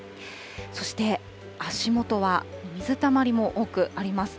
そして足元は水たまりも多くあります。